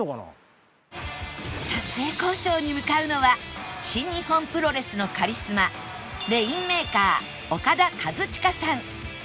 撮影交渉に向かうのは新日本プロレスのカリスマレインメーカーオカダ・カズチカさん